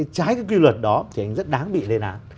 trái cái quy luật đó thì anh rất đáng bị lên án